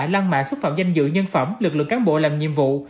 lăn mạ xuất phạm danh dự nhân phẩm lực lượng cán bộ làm nhiệm vụ